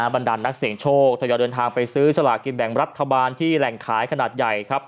บรรดานนักเสียงโชคทยอยเดินทางไปซื้อสลากินแบ่งรัฐบาลที่แหล่งขายขนาดใหญ่ครับ